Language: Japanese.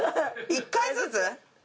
１回ずつ？